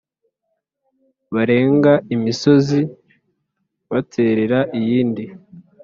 barenga imisozi baterera iyindi,\